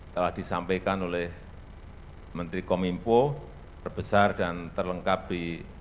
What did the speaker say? telah disampaikan oleh menteri komimpo terbesar dan terlengkap di asia tenggara